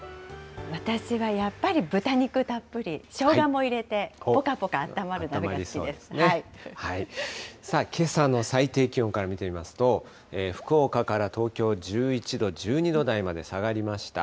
私はやっぱり豚肉たっぷり、しょうがも入れて、けさの最低気温から見てみますと、福岡から東京１１度、１２度台まで下がりました。